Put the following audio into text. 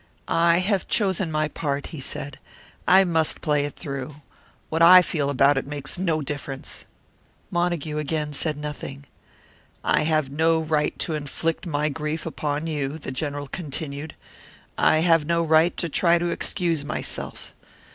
"I have chosen my part," he said. "I must play it through. What I feel about it makes no difference." Montague again said nothing. "I have no right to inflict my grief upon you," the General continued. "I have no right to try to excuse myself.